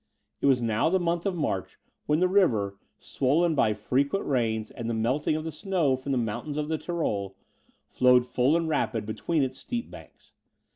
It was now the month of March, when the river, swollen by frequent rains, and the melting of the snow from the mountains of the Tyrol, flowed full and rapid between its steep banks.